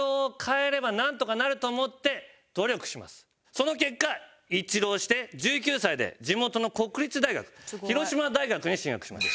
その結果一浪して１９歳で地元の国立大学広島大学に進学します。